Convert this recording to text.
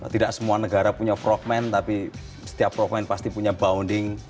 tidak semua negara punya frogman tapi setiap frogman pasti punya bounding